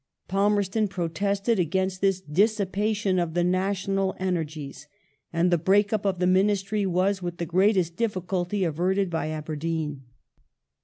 Palmerston protested against this dissipation of the national energies ; and the break up of the Ministry was, with the gi'eatest difficulty, averted by Aberdeen.